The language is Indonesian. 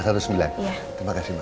terima kasih pak